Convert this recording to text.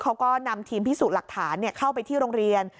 เขาก็นำทีมพิสูจน์หลักฐานเข้าไปที่โรงเรียน